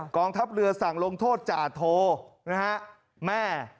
กองทัพเรือสั่งลงโทษจาโทนะฮะแม่